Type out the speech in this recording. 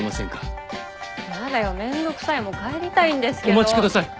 お待ちください。